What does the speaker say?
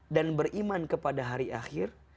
dan beriman kepada hari akhir